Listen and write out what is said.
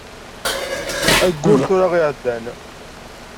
Ayyur tura i iεeddan.